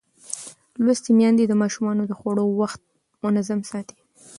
لوستې میندې د ماشومانو د خوړو وخت منظم ساتي.